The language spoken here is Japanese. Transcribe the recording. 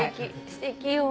すてきよ。